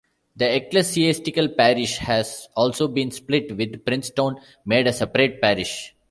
The ecclesiastical parish has also been split, with Princetown made a separate parish.